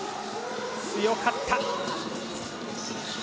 強かった。